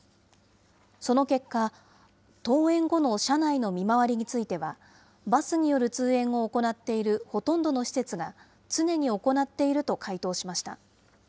その結果、登園後の車内の見回りについては、バスによる通園を行っているほとんどの施設が、常に行っていると回答しました。